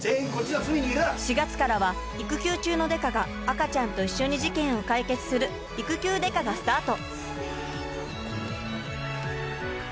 ４月からは育休中の刑事が赤ちゃんと一緒に事件を解決する「育休刑事」がスタート！